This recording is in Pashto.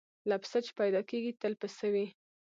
له پسه چي پیدا کیږي تل پسه وي